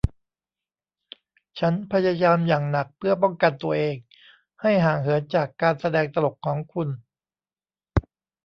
ฉันพยายามอย่างหนักเพื่อป้องกันตัวเองให้ห่างเหินจากการแสดงตลกของคุณ